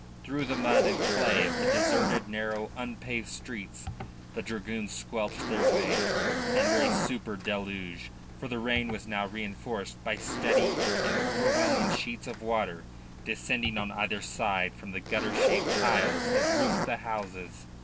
Through the mud and clay of the deserted, narrow, unpaved streets the dragoons squelched their way, under a super deluge, for the rain was now reinforced by steady and overwhelming sheets of water descending on either side from the gutter shaped tiles that roofed the houses.